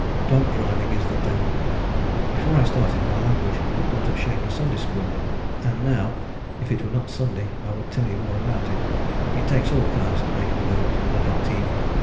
Dog driving is the devil! Before I started, my language would not have shamed a Sunday School, and now if it were not Sunday I would tell you more about it. It takes all kinds to make a world and a dog team.